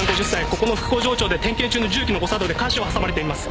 ここの副工場長で点検中の重機の誤作動で下肢を挟まれています。